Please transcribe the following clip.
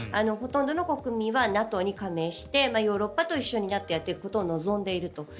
ほとんどの国民はＮＡＴＯに加盟してヨーロッパと一緒になってやっていくことを望んでいると。